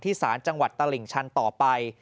ศาลจังหวัดตลิ่งชันต่อไป